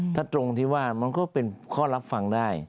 ถ้าตรงที่ว่ามันก็เป็นข้อรับฟังได้